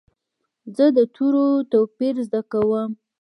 زه د تورو توپیر زده کوم.